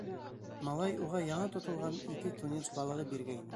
Малай уға яңы тотолған ике тунец балығы биргәйне.